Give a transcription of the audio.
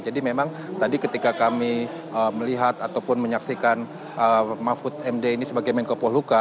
jadi memang tadi ketika kami melihat ataupun menyaksikan mahfud md ini sebagai menkopo luka